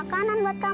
aku akan menyesal